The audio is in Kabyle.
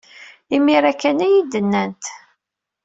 Imir-a kan ay iyi-d-nnant.